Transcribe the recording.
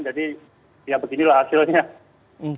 jadi ya beginilah hasilnya